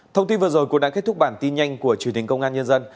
thông tin vừa rồi cũng đã kết thúc bản tin nhanh của truyền hình công an nhân dân